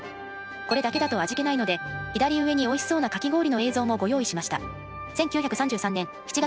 これだけだと味気ないので左上においしそうなかき氷の映像もご用意しました。